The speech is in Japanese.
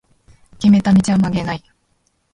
決めた道は曲げない